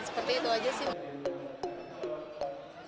seperti itu aja sih